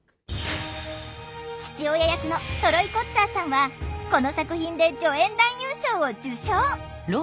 父親役のトロイ・コッツァーさんはこの作品で助演男優賞を受賞！